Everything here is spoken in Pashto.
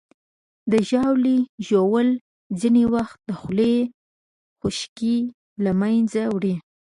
د ژاولې ژوول ځینې وخت د خولې خشکي له منځه وړي.